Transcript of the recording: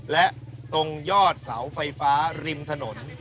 และตรงยอดเสาไฟฟ้าริมถนน